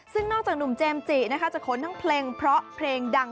ซึ่งนอกจากหนุ่มเจมส์จินะคะจะขนทั้งเพลงเพราะเพลงดัง